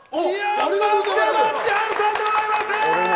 松山千春さんでございます！